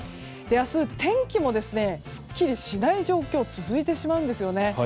明日、天気もすっきりしない状況続いてしまうんですよね。